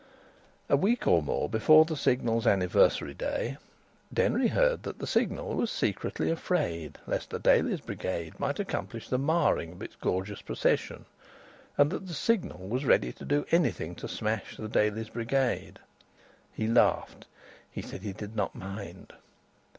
A week or more before the Signal's anniversary day, Denry heard that the Signal was secretly afraid lest the Daily's brigade might accomplish the marring of its gorgeous procession, and that the Signal was ready to do anything to smash the Daily's brigade. He laughed; he said he did not mind.